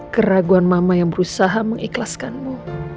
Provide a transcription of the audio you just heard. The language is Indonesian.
keraguan mama yang berusaha mengikhlaskanmu